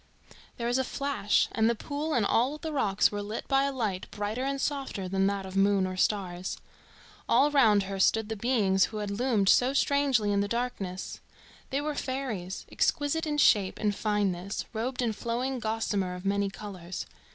There was a flash, and the pool and all the rocks were lit by a light brighter and softer than that of moon or stars. All round her stood the beings who had loomed so strangely in the darkness. They were fairies, exquisite in shape and fineness, robed in flowing gossamer of many colours.